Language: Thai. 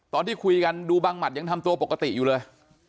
ตอนที่คุยกันดูบังหมัดยังทำตัวปกติอยู่เลย